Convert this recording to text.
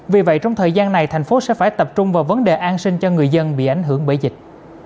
vì vậy trong thời gian này thành phố sẽ phải tập trung vào vấn đề an sinh cho người dân bị ảnh hưởng bởi dịch